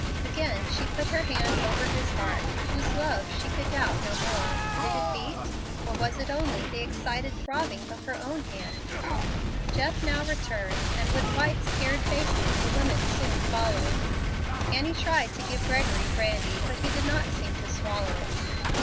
Again she put her hand over his heart, whose love she could doubt no more. Did it beat? or was it only the excited throbbing of her own hand? Jeff now returned, and, with white, scared faces, the women soon followed. Annie tried to give Gregory brandy, but he did not seem to swallow it.